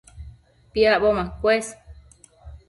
Piacbo macuës